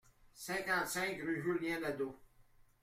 cinquante-cinq rue Julien Nadau